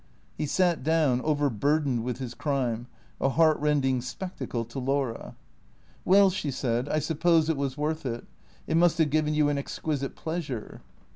He sat down, overburdened with his crime, a heartrending spectacle to Laura. " Well," she said, " I suppose it was worth it. It must have given you an exquisite pleasure."